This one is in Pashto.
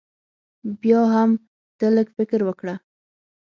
بيا هم تۀ لږ فکر وکړه